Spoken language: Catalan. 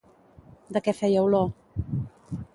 De què feia olor?